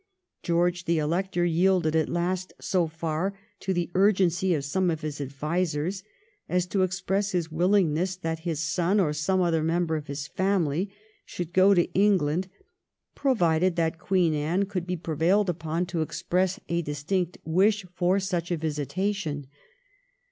George the Elector yielded at last so far to the urgency of some of his advisers as to express his willingness that his son, or some other member of his family, should go to England, provided that Queen Anne could be 1714 OOERESPONDENOE WITH THE ELECTOR. 273 prevailed upon to express a distinct wish for such a visitation.